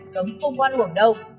cấm không quan trọng